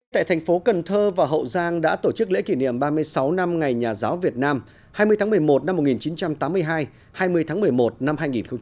tại thành phố cần thơ và hậu giang đã tổ chức lễ kỷ niệm ba mươi sáu năm ngày nhà giáo việt nam hai mươi tháng một mươi một năm một nghìn chín trăm tám mươi hai hai mươi tháng một mươi một năm hai nghìn một mươi chín